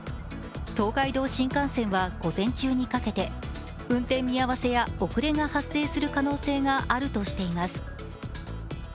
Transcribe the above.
東海道新幹線は午前中にかけて運転見合わせや遅れが発生する可能性があるとしています。